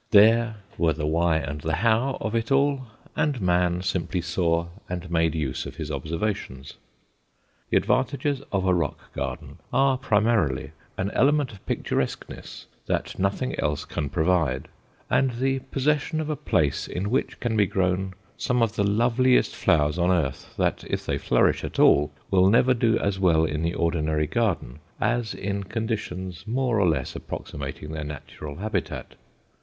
There were the why and the how of it all, and man simply saw and made use of his observations. The advantages of a rock garden are, primarily, an element of picturesqueness that nothing else can provide, and the possession of a place in which can be grown some of the loveliest flowers on earth that, if they flourish at all, will never do as well in the ordinary garden as in conditions more or less approximating their natural habitat.